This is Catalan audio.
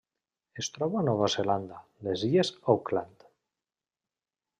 Es troba a Nova Zelanda: les Illes Auckland.